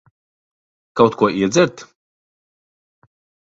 Kaut ko iedzert?